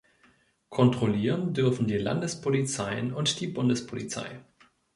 Kontrollieren dürfen die Landespolizeien und die Bundespolizei.